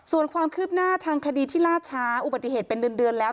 ส่วนความคืบหน้าทางคดีที่ล่าช้าอุบัติเหตุเป็นเดือนแล้ว